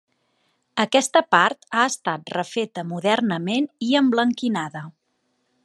Aquesta part ha estat refeta modernament i emblanquinada.